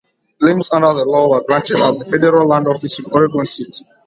Claims under the law were granted at the federal land office in Oregon City.